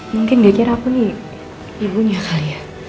mungkin kira kira aku nih ibunya kali ya